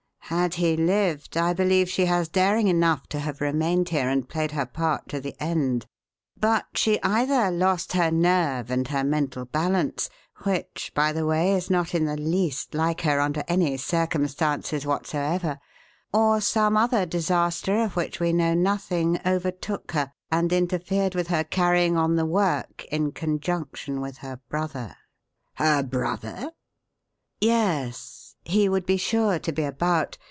Had he lived, I believe she has daring enough to have remained here and played her part to the end, but she either lost her nerve and her mental balance which, by the way, is not in the least like her under any circumstances whatsoever or some other disaster of which we know nothing overtook her and interfered with her carrying on the work in conjunction with her brother." "Her brother?" "Yes. He would be sure to be about.